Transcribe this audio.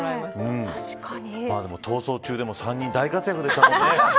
逃走中でも３人大活躍でしたもんね。